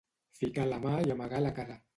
Ficar la mà i amagar la cara.